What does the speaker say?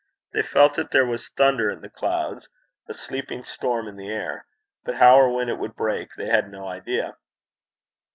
They felt that there was thunder in the clouds, a sleeping storm in the air; but how or when it would break they had no idea.